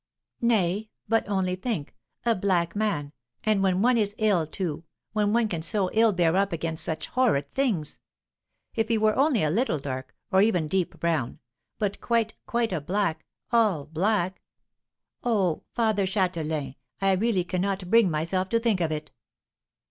"Nay, but only think! a black man! and when one is ill, too! when one can so ill bear up against such horrid things. If he were only a little dark, or even deep brown, but quite, quite a black all black oh, Father Châtelain, I really cannot bring myself to think of it!"